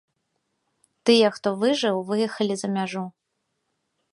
Тыя, хто выжыў, выехалі за мяжу.